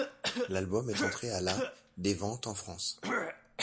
L'album est entré à la des ventes en France.